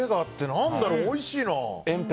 何だろう、おいしいな。